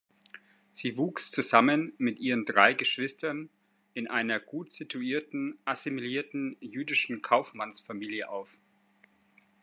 Sie wuchs zusammen mit ihren drei Geschwistern in einer gutsituierten assimilierten jüdischen Kaufmannsfamilie auf.